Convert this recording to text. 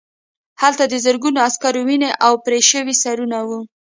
هلته د زرګونو عسکرو وینې او پرې شوي سرونه وو